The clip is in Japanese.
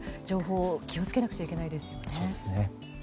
情報を気をつけなくちゃいけないですね。